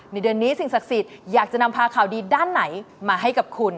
เดือนนี้สิ่งศักดิ์สิทธิ์อยากจะนำพาข่าวดีด้านไหนมาให้กับคุณ